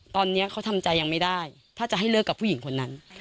ตอนนี้เขาทำใจยังไม่ได้ถ้าจะให้เลิกกับผู้หญิงคนนั้น